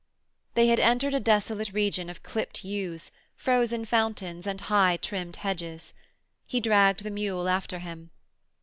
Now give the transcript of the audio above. They had entered a desolate region of clipped yews, frozen fountains, and high, trimmed hedges. He dragged the mule after him.